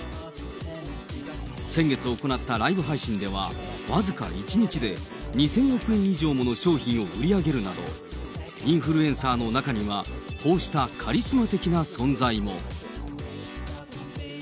先月行ったライブ配信では、僅か１日で２０００億円以上もの商品を売り上げるなど、インフルエンサーの中にはこうしたカリスマ的な存在も。